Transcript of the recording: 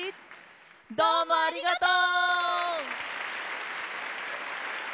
どうもありがとう！